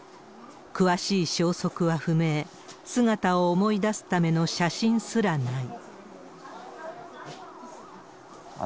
詳しい消息は不明、姿を思い出すための写真すらない。